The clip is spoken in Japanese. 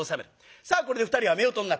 さあこれで２人は夫婦になった。